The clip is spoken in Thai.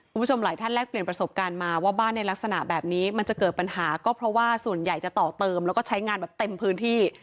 คุณผู้ชมหลายท่านแลกเปลี่ยนประสบการณ์มาว่าบ้านในลักษณะแบบนี้มันจะเกิดปัญหาก็เพราะว่าส่วนใหญ่จะต่อเติมแล้วก็ใช้งานแบบเต็มพื้นที่